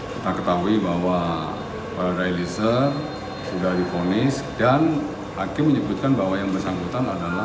kita ketahui bahwa para eliezer sudah diponis dan akhir menyebutkan bahwa yang bersambutan adalah